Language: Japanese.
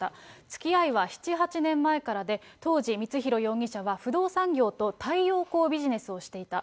つきあいは７、８年前からで、当時、光弘容疑者は不動産業と太陽光ビジネスをしていた。